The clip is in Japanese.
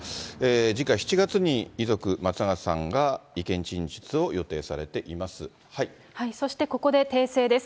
次回、７月に遺族、松永さんが意そしてここで訂正です。